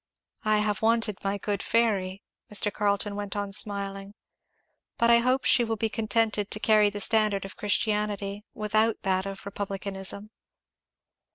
I have wanted my good fairy," Mr. Carleton went on smiling. "But I hope she will be contented to carry the standard of Christianity, without that of republicanism."